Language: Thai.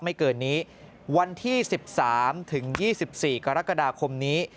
ไม่เกินนี้วันที่๑๓ถึง๒๔กรกฎาคมนี้